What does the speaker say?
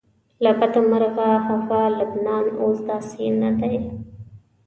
له بده مرغه هغه لبنان اوس داسې نه دی.